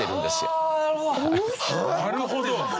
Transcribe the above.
なるほど。